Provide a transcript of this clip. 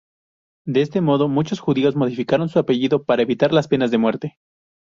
De este modo muchos judíos modificaron su apellido para evitar las penas de muerte.